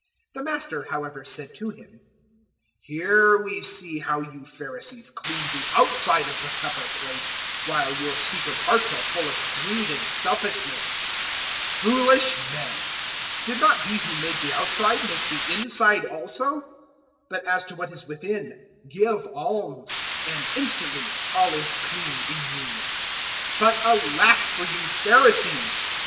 011:039 The Master however said to him, "Here we see how you Pharisees clean the outside of the cup or plate, while your secret hearts are full of greed and selfishness. 011:040 Foolish men! Did not He who made the outside make the inside also? 011:041 But as to what is within, give alms, and instantly all is clean in you. 011:042 "But alas for you Pharisees!